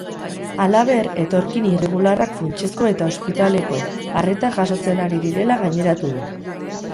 Halaber, etorkin irregularrak funtsezko eta ospitaleko arreta jasotzen ari direla gaineratu du.